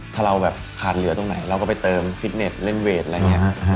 ถ้าเราแบบขาดเหลือตรงไหนเราก็ไปเติมฟิตเน็ตเล่นเวทอะไรอย่างนี้